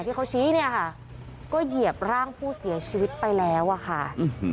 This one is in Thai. ที่เขาชี้เนี่ยค่ะก็เหยียบร่างผู้เสียชีวิตไปแล้วอะค่ะ